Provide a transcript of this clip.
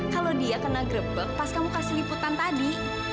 kalau dia kena gerebek pas kamu kasih liputan tadi